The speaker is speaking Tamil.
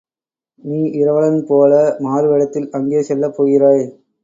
நீ இரவலன்போல மாறுவேடத்தில் அங்கே செல்லப் போகிறாய்!